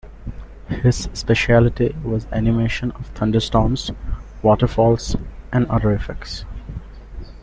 His specialty was animation of thunderstorms, waterfalls and other effects.